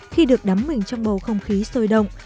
khi được đắm mình trong bầu không khí sôi động